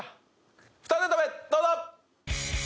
２ネタ目どうぞ！